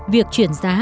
việc chuyển giá